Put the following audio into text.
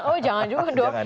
oh jangan juga dong